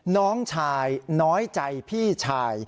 น้องชายน้อยใจพี่ชาย